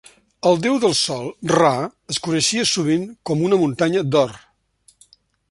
El déu del sol, Ra, es coneixia sovint com una muntanya d'or.